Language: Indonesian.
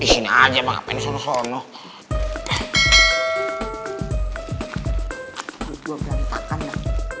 di sini aja mak ngapain di sana sana